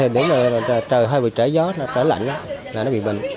đến là trời hơi bị trễ gió trễ lạnh là nó bị bệnh